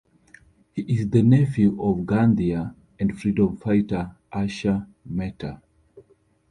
He is the nephew of Gandhian and freedom fighter, Usha Mehta.